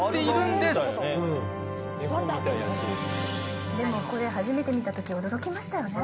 でもこれ初めて見たとき驚きましたよね。